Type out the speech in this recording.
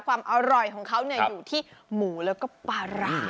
ความอร่อยของเขาอยู่ที่หมูแล้วก็ปลาร้า